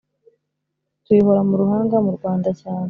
tuyihora mu ruhanga murwanda cyane